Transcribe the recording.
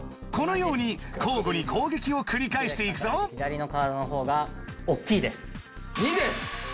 このように交互に攻撃を繰り返していくぞ左のカードのほうが大きいです。